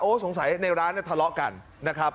โอ๊ะสงสัยในร้านทะเลาะกันนะครับ